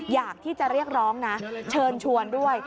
อยากที่จะเรียกร้องนะเชิญชวนด้วย